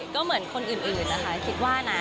ก็เหมือนคนอื่นนะคะคิดว่านะ